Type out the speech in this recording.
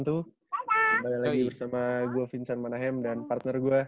kembali lagi bersama gue vincent manahem dan partner gue